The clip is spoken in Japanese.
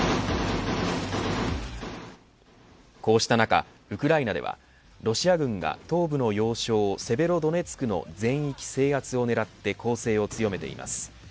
こうした中、ウクライナではロシア軍が東部の要所セベロドネツクの全域制圧を狙って攻勢を強めています。